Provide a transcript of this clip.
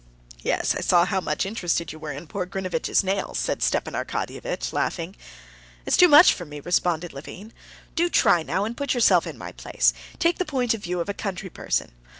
"Yes, I saw how much interested you were in poor Grinevitch's nails," said Stepan Arkadyevitch, laughing. "It's too much for me," responded Levin. "Do try, now, and put yourself in my place, take the point of view of a country person.